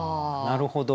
なるほど。